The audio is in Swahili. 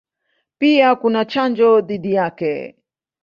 Pia kuna chanjo dhidi yake.